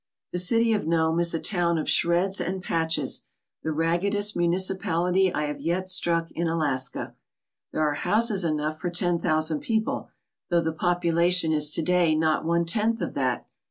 The city of Nome is a town of shreds and patches, the raggedest municipality I have yet struck in Alaska. There are houses enough for ten thousand people, though the population is to day not one tenth of that.